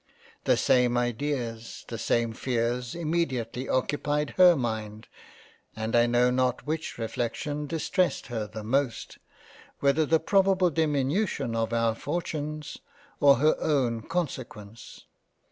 The same ideas, the same fears, immediately occupied her Mind, and I know not which reflection dis tressed her most, whether the probable Diminution of our Fortunes, or her own Consequence.